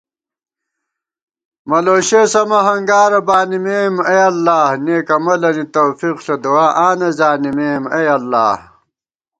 مہ لوشېس امہ ہنگارہ بانِمېم اے اللہ * نېک عمَلَنی توفیق ݪہ ، دُعا آں نہ زانِمېم اےاللہ